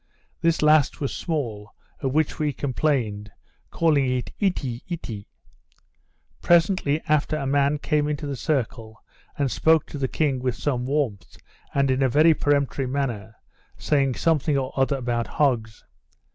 This last was small, of which we complained, calling it ete, ete. Presently after a man came into the circle, and spoke to the king with some warmth, and in a very peremptory manner; saying something or other about hogs.